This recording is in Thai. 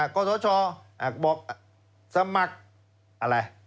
กศชบอกสมัครอะไร